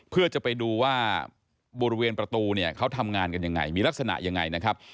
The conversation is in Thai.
เพื่อจะไปดูว่าบริเวณประตูเนี่ยเขาทำงานกันยังไงมีลักษณะยังไงนะครับ